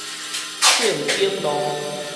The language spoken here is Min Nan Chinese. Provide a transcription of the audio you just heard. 聖景路